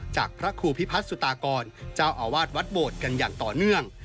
จากพระครูพิพัฒนสุตากรเจ้าอาวาสวัดโบสถ์กันอย่างต่อเนื่อง